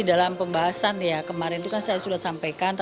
kita masih dalam pembahasan ya kemarin itu kan saya sudah sampai ke sana